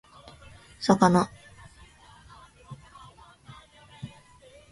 魚